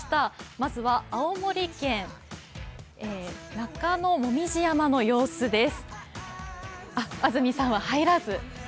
まずは青森県中野もみじ山の様子です。